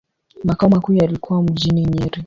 Makao makuu yalikuwa mjini Nyeri.